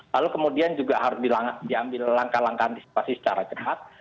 lalu kemudian juga harus diambil langkah langkah antisipasi secara cepat